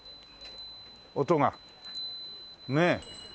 音がねえ。